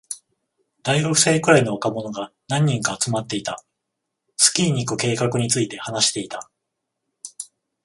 大学生くらいの若者が何人か集まっていた。スキーに行く計画について話していた。